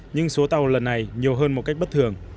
nhưng số tàu lần này nhiều hơn một cách bất thường